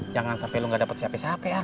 jangan sampai lo enggak dapet siap siap ya